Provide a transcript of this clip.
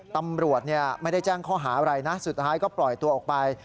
ตำรวจไม่ได้แจ้งข้อหาอะไรนะสุดท้ายก็ปล่อยตัวออกไป